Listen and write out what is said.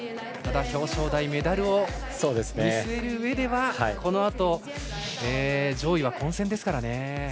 ただ、表彰台メダルを見据えるうえではこのあと、上位は混戦ですからね。